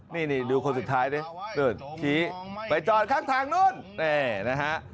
นี่ดูคนสุดท้ายไปจอดข้างทางนู้น